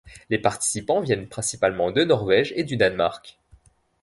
Les participants viennent principalement de Norvège et du Danemark.